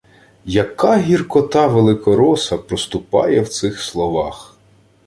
Яка гіркота великороса проступає в цих словах!